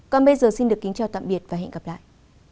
còn bây giờ xin được kính chào tạm biệt và hẹn gặp lại